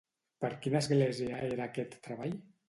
Per quina església era aquest treball?